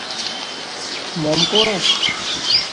— Мом пуаш?